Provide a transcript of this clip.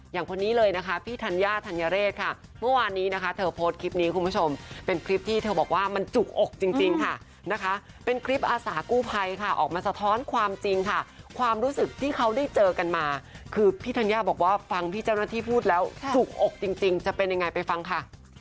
คนนี้เลยนะคะพี่ธัญญาธัญเรศค่ะเมื่อวานนี้นะคะเธอโพสต์คลิปนี้คุณผู้ชมเป็นคลิปที่เธอบอกว่ามันจุกอกจริงค่ะนะคะเป็นคลิปอาสากู้ภัยค่ะออกมาสะท้อนความจริงค่ะความรู้สึกที่เขาได้เจอกันมาคือพี่ธัญญาบอกว่าฟังพี่เจ้าหน้าที่พูดแล้วจุกอกจริงจะเป็นยังไงไปฟังค่ะ